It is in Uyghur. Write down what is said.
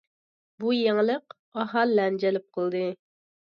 بۇ يېڭىلىق ئاھالىلەرنى جەلپ قىلدى.